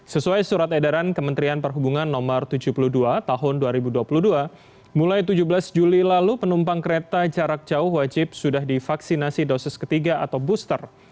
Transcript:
sesuai surat edaran kementerian perhubungan no tujuh puluh dua tahun dua ribu dua puluh dua mulai tujuh belas juli lalu penumpang kereta jarak jauh wajib sudah divaksinasi dosis ketiga atau booster